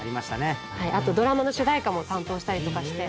あとドラマの主題歌も担当したりとかして。